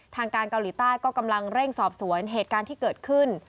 ทางการเกาหลีใต้ก็กำลังเร่งสอบสวนเหตุการณ์ที่เกิดขึ้น